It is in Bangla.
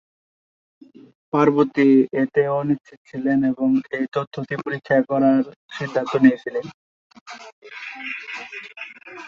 পার্বতী এতে অনিশ্চিত ছিলেন এবং এই তত্ত্বটি পরীক্ষা করার সিদ্ধান্ত নিয়েছিলেন।